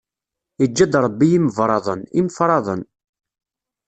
Iǧǧa-d Ṛebbi imebraḍen, imefraḍen.